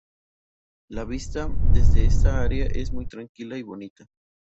La vista desde esta área es muy tranquila y bonita.